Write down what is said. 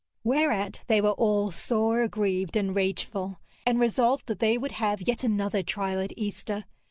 Whereat they were all sore aggrieved and rageful, and resolved that they would have yet another trial at Easter.